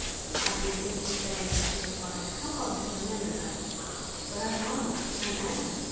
"I did think you vain," she replied. "How odd to remember that!" "But I was, and am."